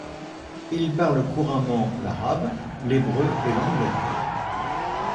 Il parle couramment l'arabe, l'hébreu et l'anglais.